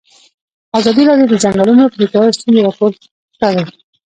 ازادي راډیو د د ځنګلونو پرېکول ستونزې راپور کړي.